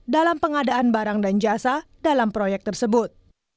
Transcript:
dalam pengadaan barang dan jasa dalam proyek tersebut